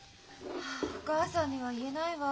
はあお母さんには言えないわ。